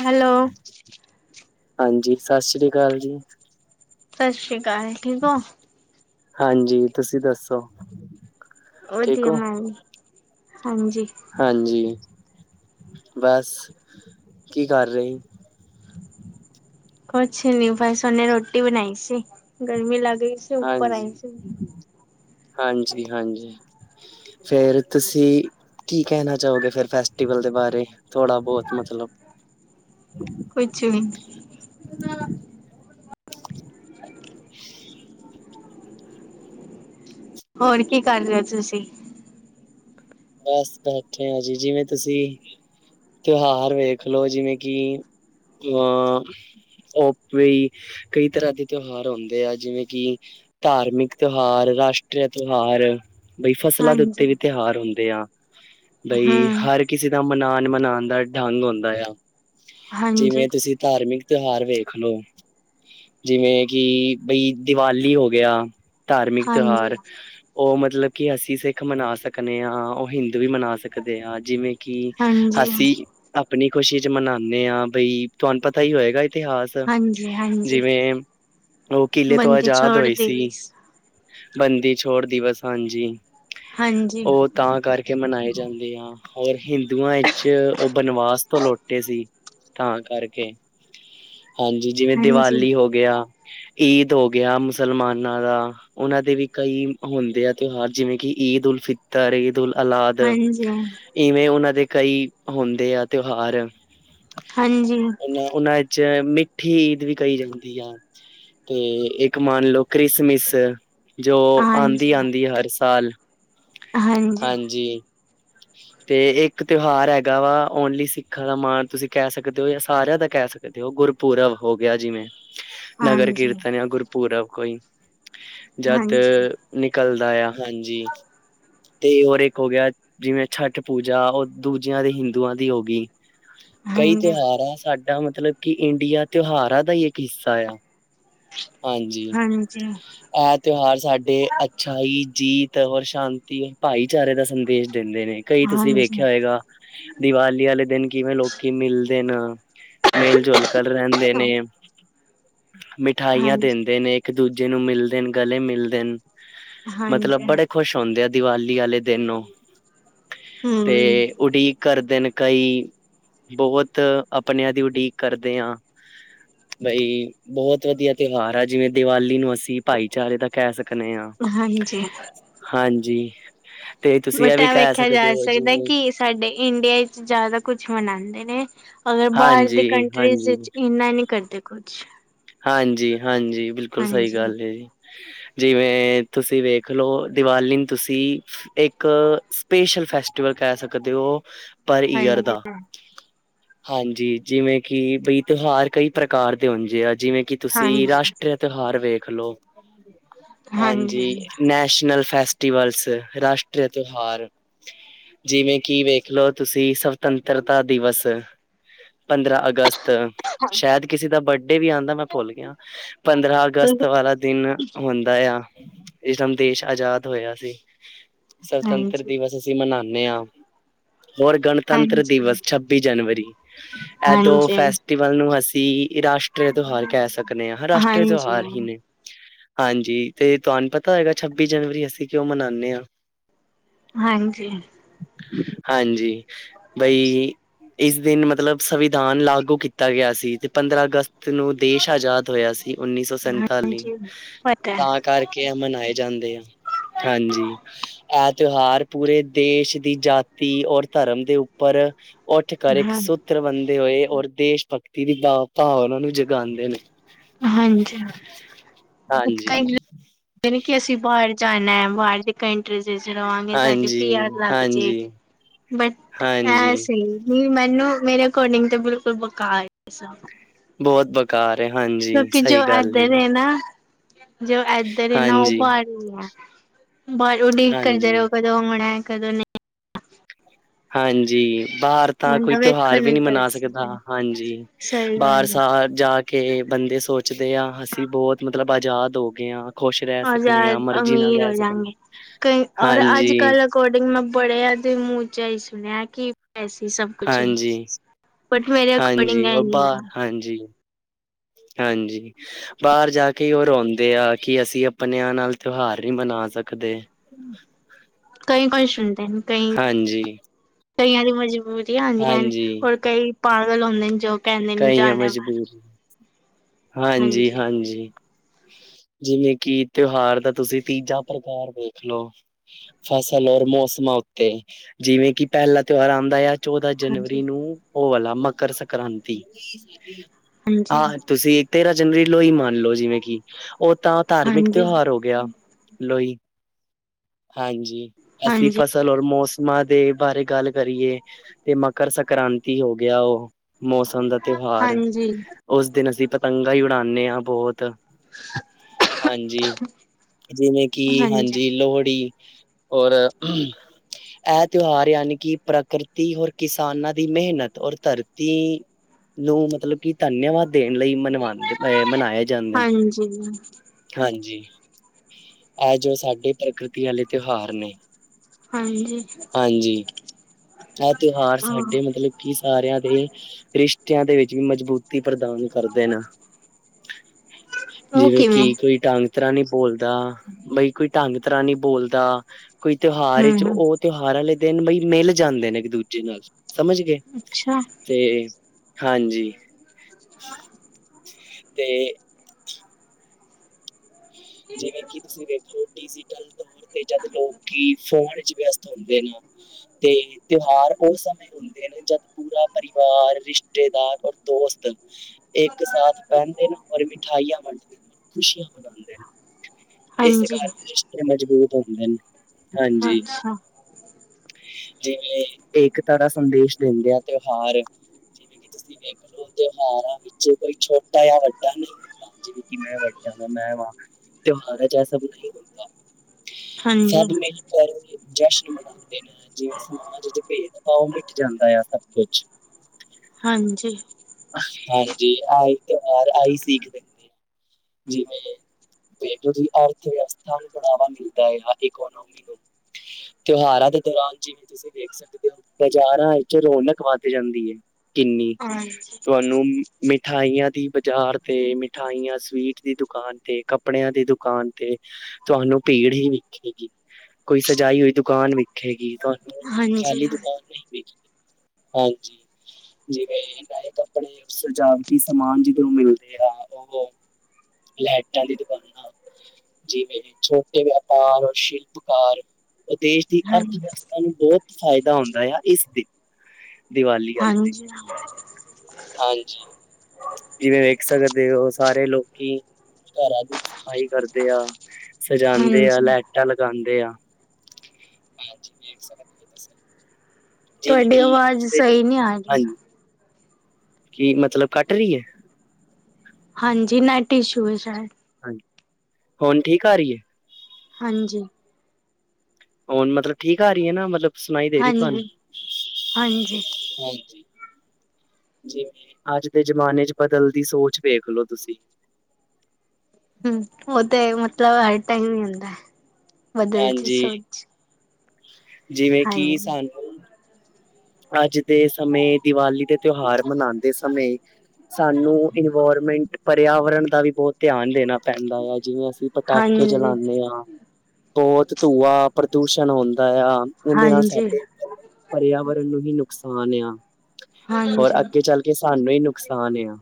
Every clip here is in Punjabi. ਹੈਲੋ, ਹਾਂਜੀ ਸਤਿ ਸ੍ਰੀ ਅਕਾਲ ਜੀ ਸਤਿ ਸ਼੍ਰੀ ਅਕਾਲ ਠੀਕ ਹੋ ਹਾਂਜੀ ਤੁਸੀਂ ਦੱਸੋ ਠੀਕ ਵਧੀਆ ਹੋ? ਮੈ ਹਾਂਜੀ ਹਾਂਜੀ ਬਸ ਕੀ ਕਰ ਰਹੇ ਕੁਛ ਨੀ ਭਾਈ ਹੁਣੇ ਰੋਟੀ ਬਣਾਈ ਸੀ ਗਰਮੀ ਲਗਈ ਸੀ ਉੱਪਰ ਹਾਂਜੀ, ਆਈ ਸੀ ਹਾਂਜੀ ਹਾਂਜੀ ਫੇਰ ਤੁਸੀਂ ਕੀ ਕਹਿਣਾ ਚਾਹੋਗੇ ਫਿਰ ਫੈਸਟੀਵਲ ਦੇ ਬਾਰੇ ਥੋੜਾ ਬਹੁਤ ਮਤਲਬ ਕੁੱਛ [unintelligible] ਹੋਰ ਕੀ ਕਰ ਰਹੇ ਤੁਸੀਂ ਬਸ ਬੈਠੇ ਆ ਜੀ ਜਿਵੇਂ ਤੁਸੀਂ ਤਿਉਹਾਰ ਵੇਖ ਲਓ ਜਿਵੇਂ ਕਿ ਅਹ ਓਪ ਵੀ ਕਈ ਤਰ੍ਹਾਂ ਦੇ ਤਿਉਹਾਰ ਹੁੰਦੇ ਆ ਜਿਵੇਂ ਕਿ ਧਾਰਮਿਕ ਤਿਉਹਾਰ ਰਾਸ਼ਟਰੀ ਤਿਉਹਾਰ ਬਈ ਫਸਲਾਂ ਦੇ ਹਾਂਜੀ, ਉੱਤੇ ਵੀ ਤਿਉਹਾਰ ਹੁੰਦੇ ਆ ਬਈ ਹੂੰ, ਹਰ ਕਿਸੇ ਦਾ ਮਨਾਓਣ ਮਨਾਉਣ ਦਾ ਢੰਗ ਹੁੰਦਾ ਆ ਹਾਂਜੀ। ਜਿਵੇਂ ਤੁਸੀਂ ਧਾਰਮਿਕ ਤਿਉਹਾਰ ਵੇਖ ਲਓ ਜਿਵੇਂ ਕਿ ਬਈ ਦੀਵਾਲੀ ਹੋ ਗਿਆ ਧਾਰਮਿਕ ਹਾਂਜੀ, ਤਿਉਹਾਰ ਉਹ ਮਤਲਬ ਕਿ ਅਸੀਂ ਸਿੱਖ ਮਨਾ ਸਕਦੇ ਹਾਂ ਉਹ ਹਿੰਦੂ ਵੀ ਮਨਾ ਸਕਦੇ ਆ ਜਿਵੇਂ ਕਿ ਹਾਂਜੀ, ਹਸੀ ਆਪਣੀ ਖੁਸ਼ੀ ਚ ਮਨਾਉਦੇ ਹਾਂ ਬਈ ਤੁਹਾਨੂੰ ਪਤਾ ਹੀ ਹੋਏਗਾ ਇਤਿਹਾਸ ਹਾਂਜੀ, ਹਾਂਜੀ। ਜਿਵੇਂ ਉਹ ਕਿਲੇ ਤੋਂ ਬੰਦੀ ਆਜ਼ਾਦ ਛੋੜ ਹੋਈ ਸੀ ਦਿਵਸ ਬੰਦੀ ਛੋੜ ਦਿਵਸ। ਹਾਂਜੀ। ਹਾਂਜੀ। ਉਹ ਤਾਂ ਕਰਕੇ ਮਨਾਏ ਜਾਂਦੇ ਆ। ਹੋਰ ਹਿੰਦੂਆਂ ਵਿੱਚ ਉਹ ਬਨਵਾਸ ਤੋਂ ਲ ਲੋਟੇ ਸੀ। ਤਾਂ ਕਰਕੇ ਹਾਂਜੀ, ਜਿਵੇਂ ਹਾਂਜੀ। ਹਾਂਜੀ, ਦੀਵਾਲੀ ਹੋ ਗਿਆ। ਈਦ ਹੋ ਗਿਆ, ਮੁਸਲਮਾਨਾਂ ਦਾ ਉਹਨਾਂ ਦੇ ਵੀ ਕਈ ਹੁੰਦੇ ਆ, ਤਿਉਹਾਰ ਜਿਵੇਂ ਕਿ ਈਦ ਉਲ ਫਿ ਤਰ ਈਦ ਉਲ ਅਲਾਦ ਹਾਂਜੀ, ਇਵੇਂ ਉਹਨਾਂ ਦੇ ਕਈ ਹੁੰਦੇ ਆ ਤਿਉਹਾਰ। ਹਾਂਜੀ, ਉਹ ਉਹਨਾ ਚ ਮਠੀ ਈਦ ਵੀ ਕਹੀ ਜਾਂਦੀ ਆ ਤੇ ਇੱਕ ਮੰਨ ਲਓ ਕ੍ਰਿਸਮਿਸ। ਜੋ ਆਦੀ, ਹਾਂਜੀ, ਆਦੀ ਹਰ ਸਾਲ ਹਾਂਜੀ। [inaudible] ਤੇ ਇੱਕ ਤਿਉਹਾਰ ਹੈਗਾ ਵਾ ਓਨਲੀ ਸਿੱਖਾਂ ਦਾ ਮਾਣ ਤੁਸੀਂ ਕਹਿ ਸਕਦੇ ਹੋ ਜਾਂ ਸਾਰਿਆਂ ਦਾ ਕਹਿ ਸਕਦੇ ਕ ਉਹ ਗੁਰਪੁਰਬ ਹੋ ਗਿਆ ਜਿਵੇਂ ਨਗਰ ਹਾਂਜੀ। ਹਾਂਜੀ, ਕੀਰਤਨ ਆ ਗੁਰਪੁਰਬ ਕੋਈ ਜਦ ਨਿਕਲਦਾ ਆ ਹਾਂਜੀ ਤੇ ਹੋਰ ਇੱਕ ਹੋ ਗਿਆ ਜਿਵੇਂ ਛਠ ਪੂਜਾ ਉਹ ਦੂਜਿਆਂ ਦੇ ਹਿੰਦੂਆਂ ਦੀ ਹੋ ਗਈ ਕਈ ਹਾਂਜੀ, ਤਿਉਹਾਰ ਆ ਸਾਡਾ ਮਤਲਬ ਕਿ ਇੰਡੀਆ ਤਿਉਹਾਰਾਂ ਦਾ ਹੀ ਇੱਕ ਹਿੱਸਾ ਆ ਹਾਂਜੀ ਹਾਂਜੀ। ਇਹ ਤਿਉਹਾਰ ਸਾਡੇ ਅੱਛਾਈ ਜੀਤ ਔਰ ਸ਼ਾਂਤੀ ਭਾਈਚਾਰੇ ਦਾ ਸੰਦੇਸ਼ ਦਿੰਦੇ ਨੇ ਕਈ ਤੁਸੀਂ ਹਾਂਜੀ, ਵੇਖਿਆ ਹੋਏਗਾ ਦੀਵਾਲੀ ਵਾਲੇ ਦਿਨ ਕਿਵੇਂ ਲੋਕੀ ਮਿਲਦੇ ਨੇ ਮੇਿਲ ਜੁਲ ਕਲ ਰਹਿੰਦੇ ਨੇ ਮਿਠਾਈਆਂ ਹਾਂਜੀ, ਦਿੰਦੇ ਨੇ ਇੱਕ ਦੂਜੇ ਨੂੰ ਮਿਲਦੇਣ ਗਲੇ ਮਿਲਦੇਣ ਮਤਲਬ ਹਾਂਜੀ, ਬੜੇ ਖੁਸ਼ ਹੁੰਦੇ ਆ ਦੀਵਾਲੀ ਵਾਲੇ ਦਿਨ ਤੇ ਹੂੰ। ਉਡੀਕ ਕਰਦੇ ਨੇ ਕਈ, ਬਹੁਤ ਆਪਣਿਆਂ ਦੀ ਉਡੀਕ ਕਰਦੇ ਆ ਬਈ ਬਹੁਤ ਵਧੀਆ ਤਿਉਹਾਰ ਆ। ਜਿਵੇਂ ਦੀਵਾਲੀ ਨੂੰ ਅਸੀਂ ਭਾਈਚਾਰੇ ਦਾ ਕਹਿ ਸਕਣੇ ਆ। ਹਾਂਜੀ, ਹਾਂਜੀ। ਤੇ ਤੁਸੀਂ ਬਟ, ਵੀ ਇਹ ਕਹਿ ਵੇਖਿਆ ਸਕਦੇ ਜਾ ਹੋ ਸਕਦਾ ਜਿਵੇਂ ਕਿ ਸਾਡੇ ਇੰਡੀਆ ਵਿੱਚ ਜਿਆਦਾ ਕੁਛ ਮਨਾਂਦੇ ਨੇ। ਅਗਰ ਬਾਹਰ ਦੀ ਹਾਂਜੀ ਕੰਨਟਰੀਜ਼ ਹਾਂਜੀ ਵਿੱਚ ਇਨਾ ਨਹੀਂ ਕਰਦੇ ਕੁੱਛ ਹਾਂਜੀ-ਹਾਂਜੀ, ਬਿਲਕੁਲ ਸਹੀ ਹਾਂਜੀ। ਗੱਲ ਹੈ ਜੀ। ਜਿਵੇਂ ਤੁਸੀਂ ਵੇਖਲਓ, ਦੀਵਾਲੀ ਨੂੰ ਤੁਸੀਂ ਇੱਕ ਸਪੇਸ਼ਲ ਫੈਸਟੀਵਲ ਕਹਿ ਸਕਦੇ ਓ, ਪਰ ਈਅਰ ਹਾਂਜੀ, ਦਾ। ਹਾਂਜੀ, ਹਾਂਜੀ। ਜਿਵੇਂ ਕਿ ਬਈ ਤਿਉਹਾਰ ਕਈ ਪ੍ਰਕਾਰ ਦੇ ਹੁੰਦੇ ਆ। ਜਿਵੇਂ ਕਿ ਤੁਸੀਂ ਹਾਂਜੀ, ਰਾਸ਼ਟਰੀ ਤਿਉਹਾਰ ਵੇਖ ਲਓ। ਹਾਂਜੀ, ਨੈਸ਼ਨਲ ਫੈਸ ਰਾਸ਼ਟਰੀ ਤਿਉਹਾਰ ਜਿਵੇਂ ਕਿ ਵੇਖ ਦੇਖ ਲਓ, ਤੁਸੀਂ ਸੁਤੰਤਰਤਾ ਦਿਵਸ ਪੰਦਰਾਂ ਅਗਸਤ ਸ਼ਾਇਦ ਕਿਸੇ ਦਾ ਬਰਡੇ ਵੀ ਆਂਦਾ ਐ, ਮੈਂ ਭੁੱਲ ਗਿਆ। ਪੰਦਰਾਂ ਅਗਸਤ ਵਾਲਾ ਦਿਨ ਹੁੰਦਾ। ਆ ਇਸ ਦਿਨ ਦੇਸ਼ ਆਜ਼ਾਦ ਹੋਇਆ ਸੀ। ਸੁਤੰਤਰ ਹਾਂਜੀ, ਦਿਵਸ ਅਸੀਂ ਮਨਾਣੇ ਆ। ਹੋਰ ਗਣਪ ਸੁਤੰਤਰ ਦਿਵਸ, ਛੱਬੀ ਜਨਵਰੀ, ਐਦੋ ਹਾਂਜੀ, ਫੈਸਟੀਵਲ ਨੂੰ ਅਸੀਂ ਰਾਸ਼ਟਰੀ ਤਿਉਹਾਰ ਕਹਿ ਸਕਦੇ ਆ। ਰਾਸ਼ਟਰੀ ਹਾਂਜੀ, ਤਿਉਹਾਰ ਹੀ ਨੇ ਹਾਂਜੀ। ਤੇ ਤੁਹਾਨੂੰ ਪਤਾ ਹੈਗਾ ਛੱਬੀ ਜਨਵਰੀ ਅਸੀਂ ਕਿਉਂ ਮਨਾਣੇ ਆ? ਹਾਂਜੀ। ਹਾਂਜੀ। ਬਈ ਇਸ ਦਿਨ ਮਤਲਬ ਸੰਵਿਧਾਨ ਲਾਗੂ ਕੀਤਾ ਗਿਆ ਸੀ, ਤੇ ਪੰਦਰਾਂ ਅਗਸਤ ਨੂੰ ਦੇਸ਼ ਆਜ਼ਾਦ ਹੋਇਆ ਸੀ। ਉੱਨੀ ਸੌ ਸੰਤਾਲੀ ਹਾਂਜੀ, ਪਤਾ, ਤਾਂ ਕਰਕੇ ਕੇ ਮਨਾਏ ਜਾਂਦੇ ਆ। ਹਾਂਜੀ। ਇਹ ਤਿਉਹਾਰ ਪੂਰੇ ਦੇਸ਼ ਦੀ ਜਾਤੀ ਔਰ ਧਰਮ ਦੇ ਉੱਪਰ ਉੱਠ ਕਰ ਇੱਕ ਹਾਂ, ਸੂਤਰ ਬੰਦੇ ਹੋਏ। ਔਰ ਦੇਸ਼ ਭਗਤੀ ਦੀ ਭਾਵ ਉਹਨਾ ਨੂੰ ਗਾਉਂਦੇ ਨੇ ਹਾਂਜੀ। ਹਾਂਜੀ। ਕਿ ਅਸੀਂ ਬਾਹਰ ਜਾਣਾ ਹੈ ਬਾਹਰ ਦੇ। ਕੰਟਰੀਜ਼ ਵਿੱਚ ਜਾਈਏ ਸਾਡੇ ਵੀ ਪੀ ਆਰ ਹਾਂਜੀ ਲੱਗ ਜੇ ਹਾਂਜੀ ਬਟ ਹਾਂਜੀ ਐਸਹੀ। ਨਹੀਂ ਮੈਨੂੰ ਮੇਰੇ ਅਕੋਰਡਿੰਗ ਤੇ ਬਿਲਕੁਲ ਬੇਕਾਰ ਏ। ਬਹੁਤ ਬੇਕਾਰ ਏ ਹਾਂਜੀ ਸਹੀ ਗੱਲ ਜੀ। ਹੈਨਾ। ਜੋ ਏਧਰੇ ਨਾ ਉਹ ਹਾਂਜੀ ਬਾਹਰ ਨੀ ਹੈ'ਬਾਹਰ ਉਡੀਕ ਕਰਦੇ ਹਾਂਜੀ ਰਹੇੋ। ਕਦੋ ਆਉਣਾ ਕਦੋ ਨੀ। ਹਾਂਜੀ ਬਾਰ। ਤਾਂ ਕੋਈ ਬੰਦਾ ਤਿਉਹਾਰ ਵੇਖਣ ਵੀ ਨੂੰ ਨਹੀ ਮਨਾ ਤਰਸ ਸਕਦਾ ਜੇ। ਹਾਂਜੀ ਸਹੀ ਬਾਰ ਗੱਲ ਹੈ ਸਾਹ ਜਾ ਕੇ। ਕੇ ਬੰਦੇ ਸੋਚਦੇ ਆ ਅਸੀਂ ਬਹੁਤ ਮਤਲਬ ਆਜ਼ਾਦ ਹੋ ਗਏ ਹਾਂ। ਖੁਸ਼ ਰਹਿ ਸਕਣੇ ਆ। ਆਜ਼ਾਦ ਮਰਜੀ ਨਾਲ ਅਮੀਰ ਰਹਿ ਹੋ ਸਕਦੇ। ਹਾਂਜੀ। ਅਕੋਡਿੰਗ ਮੈਂ ਬੜੇ ਦੇ ਮੂੰਹ ਚ ਹੀ ਸੁਣਿਆ ਕਿ ਪੈਸੀ ਸਭ ਕੁਛ ਹੈ ਬਟ ਮੇਰੇ ਅਕੋਰਡਿੰਗ ਹਾਂਜੀ-ਹਾਂਜੀ। ਇਹ ਉਹ ਨਹੀਂ ਬਰ, ਹੈ ਹਾਂਜੀ। ਹਾਂਜੀ। ਬਾਹਰ ਜਾ ਕੇ ਉਹ ਰੋਂਦੇ ਆ ਕਿ, ਅਸੀਂ ਆਪਣਿਆਂ ਨਾਲ ਤਿਉਹਾਰ ਨਹੀਂ ਮਨਾ ਸਕਦੇ। ਕਈ-ਕਈ ਸੁਣਦੇ ਕਈ, ਹਾਂਜੀ, ਕਈ ਆ ਦੀ ਮਜ਼ਬ ਹਾਂਜੀ। ਹੋਰ ਕਈ ਪਾਗਲ ਹੁੰਦੇ ਨੇ, ਜੋ ਕਹਿੰਦੇ ਨੇ ਜਾਣਾ ਬਾਰ। ਹਾਂਜੀ-ਹਾਂਜੀ। ਜਿਵੇਂ ਕਿ ਤਿਉਹਾਰ ਦਾ ਤੁਸੀਂ ਤੀਜਾ ਪ੍ਰਕਾਰ ਦੇੇਖਲੋ। ਫਸਲ ਔਰ ਮੌਸਮਾਂ, ਉੱਤੇ ਜਿਵੇਂ ਕਿ ਪਹਿਲਾ ਤਿਉਹਾਰ ਆਉਂਦਾ ਆ ਚੌਦਾਂ ਹਾਂਜੀ ਜਨਵਰੀ ਨੂੰ ਉਹ ਵਾਲਾ ਮਕਰ ਸੰਕ੍ਰਾਂਤੀ। ਹਾਂਜੀ ਹਾਂ, ਤੁਸੀਂ ਤੇਰਾਂ ਜਨਵਰੀ ਨੂੰ ਹੀ ਮੰਨ ਲਓ, ਜਿਵੇਂ ਕਿ, ਉਹ ਤਾਂ ਧਾਰਮਿਕ ਹਾਂਜੀ ਤਿਉਹਾਰ ਹੋ ਗਿਆ। ਲੋਹੜੀ, ਹਾਂਜੀ। ਅਸੀਂ ਹਾਂਜੀ ਫਸ ਸਲਰ ਮੌਸਮਾਂ ਦੇ ਬਾਰੇ ਗੱਲ ਕਰੀਏ ਤੇ ਮਕਰ ਸੰਕ੍ਰਾਂਤੀ ਹੋ ਗਿਆ ਉਹ। ਮੌਸਮ ਦਾ ਤਿਉਹਾਰ, ਹਾਂਜੀ ਉਸ ਦਿਨ ਅਸੀਂ ਪਤੰਗਾਂ ਹੀ ਉਡਾਉਂਦੇ ਹਾਂ ਬਹੁਤ। ਹਾਂਜੀ, ਜਿਵੇਂ ਕਿ ਹਾਂਜੀ ਲੋਹੜੀ। ਔਰ ਇਹ ਤਿਉਹਾਰ ਯਾਨੀ ਕਿ ਪ੍ਰਕਿਰਤੀ ਔਰ ਕਿਸਾਨਾਂ ਦੀ ਮਿਹਨਤ, ਔਰ ਧਰਤੀ। ਮਜਬੂਤੀ ਨੂੰ ਮਤਲਬ ਕਿ। ਧੰਨਿਆਵਾਦ ਦੇਣ ਲਈ ਮਨਵਾਉਂਦੇ ਅ ਮਨਾਏ ਜਾਂਦੇ ਨੇ। ਹਾਂਜੀ ਹਾਂਜੀ' ਇਹ ਜੋ ਸਾਡੇ ਪ੍ਰਕਿਰਤੀ ਵਾਲੇ ਤਿਉਹਾਰ ਨੇ। ਹਾਂਜੀ। ਹਾਂਜੀ ਇਹ ਤਿਉਹਾਰ ਉਹ ਸਾਡੇ ਮਤਲਬ ਕਿ ਸਾਰਿਆਂ ਦੇ ਰਿਸ਼ਤਿਆਂ ਦੇ ਵਿੱਚ ਵੀ ਮਜ਼ਬੂਤ। ਮਜਬੂਤੀ ਪ੍ਰਦਾਨ ਕਰ ਦੇਣਾ, ਉਹ ਜਿਵੇਂ ਕਿਵੇਂ ਕਿ ਕੋਈ। ਢੰਗ ਤਰ੍ਹਾਂ ਨਹੀਂ ਬੋਲਦਾ, ਬਈ ਕੋਈ ਢੰਗ ਤਰ੍ਹਾਂ ਨਹੀਂ ਬੋਲਦਾ ਕੋਈ ਤਿਉਹਾਰ ਵਿੱਚ ਹਮ ਹਮ ਉਹ। ਤਿਉਹਾਰ ਵਾਲੇ ਦਿਨ ਬਈ ਮਿਲ ਜਾਂਦੇ ਨੇ ਇੱਕ ਦੂਜੇ ਨਾਲ', ਸਮਝ ਗਏ। ਅੱਛਾ ਤੇ, ਹਾਂਜੀ। ਤੇ। ਜਿਵੇਂ ਕਿ ਤੁਸੀਂ ਵੇਖੇ ਓ ਡੀਜੀ। ਕਲ ਦੂਰ ਤੇ ਜਦ ਲੋਕੀ ਫੋਨ 'ਚ ਵਿਅਸਤ ਹੁੰਦੇ ਨੇ। ਤੇ ਤਿਉਹਾਰ ਉਸ ਸਮੇ। ਹੁੰਦੇ ਨੇ ਜਦ ਪੂਰਾ ਪਰਿਵਾਰ, ਰਿਸ਼ਤੇਦਾਰ ਔਰ ਦੋਸਤ। ਇੱਕ ਸਾਥ ਪਹਿਨਦੇ ਨੇ ਔਰ ਮਿਠਾਈਆਂ ਵੰਡਦੇ ਨੇ ਔਰ ਖੁਸ਼ੀਆਂ ਮਨਾਉਂਦੇ ਨੇ। ਇਸ ਹਾਂਜੀ ਕਾਰਨ ਰਿਸ਼ਤੇ ਮਜ਼ਬੂਤ ਹੁੰਦੇ ਨੇ' ਹਾਂਜੀ। ਅੱਛਾ ਜਿਵੇਂ ਏਕਤਾ ਦਾ ਸੰਦੇਸ਼ ਦਿੰਦੇ ਆ ਤਿਉਹਾਰ, ਜਿਵੇਂ ਕਿ। ਤੁਸੀਂ ਵੇਖ ਲਓ ਤਿਉਹਾਰਾਂ ਵਿੱਚ ਕੋਈ ਛੋਟਾ ਜਾਂ ਵੱਡਾ ਨਹੀਂ ਹੁੰਦਾ। ਜਿਵੇਂ ਕਿ ਮੈਂ ਵੱਡਾ ਵਾਂ ਮੈਂ ਵਾਂ, ਤਿਉਹਾਰਾਂ ਵਿਚ ਇਹ ਸਭ ਨਹੀਂ ਹੁੰਦਾ। ਹਾਂਜੀ ਸਭ ਮੇ ਜਸ਼ਨ ਮਨਾਉਂਦੇ ਨੇ। ਜਿਵੇਂ ਸਮਾਜ 'ਚ ਭੇਦ। ਪਾਓ ਮਿਟ ਜਾਂਦਾ ਆ ਸਭ ਕੁਛ। ਹਾਂਜੀ। ਹਾਂਜੀ ਆਈ ਤਿਉਹਾਰ ਆਈ ਸੀਖਦੇ। ਜਿਵੇਂ ਦੇਖ, ਅਰਥ ਵਿਵਸਥਾ ਨੂੰ ਬੜਾਵਾ ਮਿਲਦਾ ਆ ਇਕੋਨੋਮੀ ਨੂੰ। ਤਿਉਹਾਰਾਂ ਦੇ ਦੌਰਾਨ ਜਿਵੇਂ? ਤੁਸੀਂ ਦੇਖ ਸਕਦੇ ਹੋ, ਬਾਜ਼ਾਰਾਂ ਵਿੱਚ ਰੌਣਕ ਵੱਧ ਜਾਂਦੀ ਹੈ। ਕਿੰਨੀ, ਹਾਂਜੀ ਤੁਹਾਨੂੰ ਮਿਠਾਈਆਂ ਦੀ ਬਾਜ਼ਾਰ ਤੇ ਮਿਠਾਈਆਂ ਸਵੀਟ? ਦੀ ਦੁਕਾਨ ਤੇ ਕੱਪੜਿਆਂ ਦੀ ਦੁਕਾਨ ਤੇ ਤੁਹਾਨੂੰ ਭੀੜ ਹੀ ਵੇਖੇਗੀ। ਕੋਈ ਸਜਾਈ ਹੋਈ ਦੁਕਾਨ ਵੇਖੇਗੀ, ਤੁਹਾਨੂੰ ਹਾਂਜੀ ਖਾਲੀ ਦੁਕਾਨ ਨਹੀਂ ਵੇਖੇਗੀ? ਹਾਂਜੀ। ਜਿਵੇਂ ਨਏ ਕੱਪੜੇ, ਸਜਾਵਟੀ ਸਮਾਨ ਜਿਧਰ ਮਿਲਦੇ ਆ ਉਹ? ਲਾਈਟਾਂ ਦੀ ਦੁਕਾਨਾਂ ਜਿਵੇਂ ਛੋਟੇ ਵਪਾਰ ਔਰ ਸ਼ਿਲਪਕਾਰ? ਉਹ ਦੇਸ਼ ਦੀ ਹਾਂ ਅਰਥ ਵਿਵਸਥਾ ਨੂੰ ਬਹੁਤ ਫਾਇਦਾ ਹੁੰਦਾ ਆ ਇਸ ਦੇ। ਦੀਵਾਲੀ ਵਾਲੇ ਦਿਨ। ਹਾਂਜੀ ਹਾਂਜੀ' ਜਿਵੇਂ ਵੇਖ ਸਕਦੇ ਹੋ ਸਾਰੇ ਲੋਕ। ਕਿ ਘਰਾਂ ਦੀ ਸਫ਼ਾਈ ਕਰਦੇ ਆ, 'ਸਜਾਉਂਦੇ ਆ, ਹਾਂਜੀ ਲਾਈਟਾਂ ਲਗਾਉਂਦੇ ਆ। ਜੀ ਵੀਕ ਸ ਦਿੇ। [unintelligible] ਤੁਹਾਡੀ ਆਵਾਜ਼ ਸਹੀ ਨਹੀਂ ਆ ਜ਼ਮਾਨੇ ਰਹੀ। ਹਾਂਜੀ ਕੀ ਮਤਲਬ ਕੱਟ ਰਹੀ ਹੈ। ਹਾਂਜੀ ਨੈਟ ਇਸ਼ੂ ਹੈ ਸ਼ਾਇਦ। ਹਾਂਜੀ'ਹੁਣ ਠੀਕ ਆ ਰਹੀ ਹੈ। ਹਾਂਜੀ। ਹੁਣ ਮਤਲਬ ਠੀਕ ਆ ਰਹੀ ਹੈ ਨਾ ਮਤਲਬ ਸੁਣਾਈ ਦੇ ਰਹੀ ਤੁਹਾਨੂੰ, ਹਾਂਜੀ, ਹਾਂਜੀ। ਹਾਂਜੀ। ਜਿਵੇਂ ਅੱਜ ਦੇ ਜਮਾਨੇ ਚ ਬਦਲ ਦੀ ਸੋਚ ਵੇਖਲੋ ਤੁਸੀਂ। ਹਮ ਉਹ ਤੇ ਮਤਲਬ ਹਰ ਟਾਈਮ ਹੀ ਹੁੰਦਾ ਹੈ'ਬਦਲ ਚ ਹਾਂਜੀ ਸੋ ਜਿਵੇਂ ਕਿ ਸਾਨੂੰ ਅੱਜ ਦੇ ਸਮੇ ਦੀਵਾਲੀ ਦੇ ਤਿਉਹਾਰ ਮਨਾਉਂਦੇ ਸਮੇਂ? ਸਾਨੂੰ ਇਨਵਾਇਰਮੈਂਟ ਪਰਿਆਵਰਨ ਦਾ ਵੀ ਬਹੁਤ? ਧਿਆਨ ਦੇਣਾ ਪੈਂਦਾ ਆ ਜਿਵੇਂ ਅਸੀਂ ਪਟਾਕੇ ਹਾਂਜੀ, ਜਲਾਉਂਦੇ ਹਾਂ। ਬਹੁਤ ਧੂੰਆ ਪ੍ਰਦੂਸ਼ਣ ਹੁੰਦਾ ਆ ਉਹਦੇ ਨਾਲ ਹਾਂਜੀ, ਸਾਡੇ ਪਰਿਆਵਰਨ? ਨੂੰ ਹੀ ਨੁਕਸਾਨ ਆ ਹੋਰ ਹਾਂਜੀ। ਅੱਗੇ ਚੱਲ ਕੇ ਸਾਨੂੰ ਹੀ ਨੁਕਸਾਨ ਆ।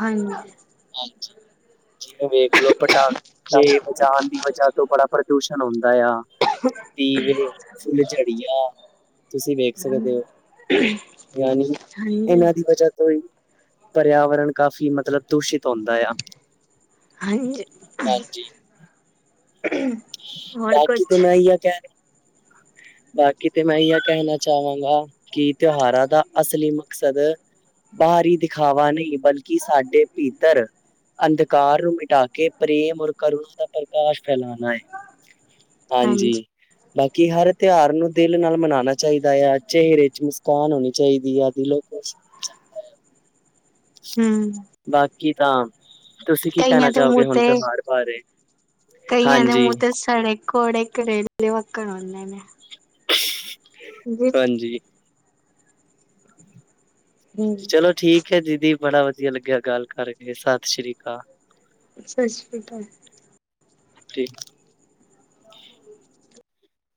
ਹਾਂਜੀ। ਹਾਂਜੀ ਜਿਵੇਂ ਵੇਖਲੋ ਪਟਾਖ? ਜ ਵਜਾਨ ਦੀ ਵਜ੍ਹਾ ਤੋਂ ਬੜਾ ਪ੍ਰਦੂਸ਼ਣ ਹੁੰਦਾ ਆ। ਦੀਵੇ ਫੁੱਲਝੜੀਆ ਤੁਸੀਂ ਵੇਖ? ਸਮਜਦੇ ਹੋ ਯਾਨੀ ਹਾਂਜੀ, ਇਹਨਾਂ ਦੀ? ਵਜਾ ਤੋਂ ਹੀ ਪਰਿਆਵਰਨ ਕਾਫ਼ੀ ਮਤਲਬ ਦੂਸ਼ਿਤ ਹੁੰਦਾ ਆ। ਹਾਂਜੀ। ਹਾਂਜੀ। ਹੋਰ ਬਾਕੀ ਤੇ ਕੁਛ ਮੈਂ ਹੀ ਆ ਕਹਿ ਰਿ? ਬਾਕੀ ਤੇ ਮੈਂ ਇ ਕਹਿਣਾ ਚਾਹਾਂਗਾ ਕਿ ਤਿਉਹਾਰਾਂ ਦਾ ਅਸਲੀ ਮਕਸਦ? ਬਾਹਰੀ ਦਿਖਾਵਾ ਨਹੀਂ ਬਲਕਿ ਸਾਡੇ ਪੀਤਰ? ਅੰਧਕਾਰ ਨੂੰ ਮਿਟਾ ਕੇ ਪ੍ਰੇਮ ਔਰ ਕਰੁਣ ਦਾ ਪ੍ਰਕਾਸ਼ ਫੈਲਾਣਾ ਹੈ। ਹਾਂਜੀ ਬਾਕੀ ਹਰ ਤਿਉਹਾਰ ਨੂੰ ਦਿਲ ਨਾਲ ਮਨਾਉਣਾ ਚਾਹੀਦਾ ਆ। ਚਿਹਰੇ ਚ ਮੁਸਕਾਨ ਹੋਣੀ ਚਾਹੀਦੀ ਆਦਿ ਦਿਲੋ ਖਸ਼? ਹਮ। ਬਾਕੀ ਤਾਂ। ਤੁਸੀਂ ਕੀ ਕਹਿਣਾ ਦੇ ਚਾਹੋਗੇ ਮੂੰਹ ਹੁਣ ਤੇ ਤਿਉਹਾਰ ਬਾਰ ਬਾਰੇ ਹਾਂਜੀ। ਕੋਡੇ ਕਰੇਲੇ ਵੱਕਣ ਹੂਂਦੇ ਨੇ। ਹਾਂਜੀ। ਹੂੰ ਚਲੋ ਠੀਕ ਹੈ ਦੀਦੀ ਬੜਾ ਵਧੀਆ ਲੱਗਿਆ ਗੱਲ ਕਰਕੇ ਸਤਿ ਸ੍ਰੀ ਅਕਾਲ। ਸਤਿ ਸ਼੍ਰੀ ਅਕਾਲ। ਠੀਕ।